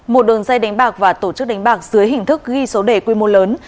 một đường dây đánh bạc và tổ chức đánh bạc dưới hình thức ghi số đề quy mô lớn